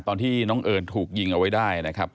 ตอนที่น้องเอิญถูกยิงเอาไว้ได้นะครับ